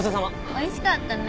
おいしかったね。